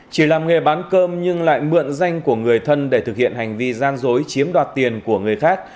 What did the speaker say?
chỉ làm nghề bán cơm nhưng lại mượn danh của người thân để thực hiện hành vi gian dối chiếm đoạt tiền của người khác